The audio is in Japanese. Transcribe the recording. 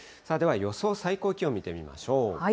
では予想最高気温見てみましょう。